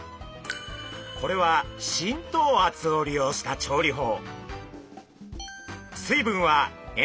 これは浸透圧を利用した調理法。